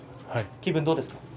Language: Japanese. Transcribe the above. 気分はどうですか？